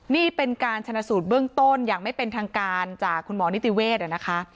นี่เป็นการชนะสูตรเบื้องต้นอย่างไม่เป็นทางการจากคุณหมอนิติเวศนะคะ